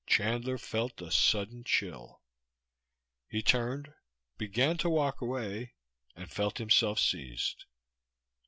Chandler felt a sudden chill. He turned, began to walk away and felt himself seized.